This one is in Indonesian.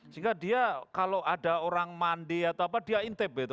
sehingga dia kalau ada orang mandi atau apa dia intip gitu